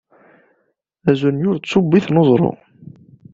Azunyur d tubbit n uẓru.